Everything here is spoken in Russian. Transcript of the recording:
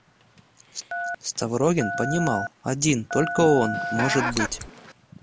Ставрогин понимал, один только он, может быть.